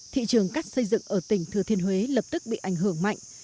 thị trường cát xây dựng ở tỉnh thứ thiên huế lập tức bị ảnh hưởng mạnh